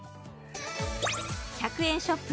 １００円ショップ